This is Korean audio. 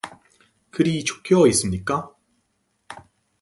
그리 적혀 있습디까?